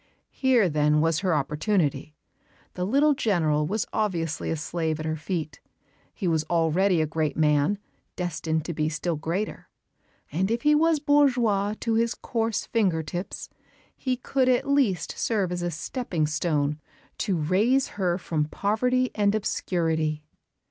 Here then was her opportunity. The little General was obviously a slave at her feet; he was already a great man, destined to be still greater; and if he was bourgeois to his coarse finger tips, he could at least serve as a stepping stone to raise her from poverty and obscurity.